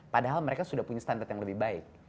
padahal mereka sudah punya standar yang lebih baik